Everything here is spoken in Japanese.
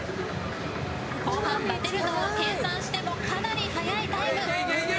後半ばてるのを計算してもかなり速いタイム。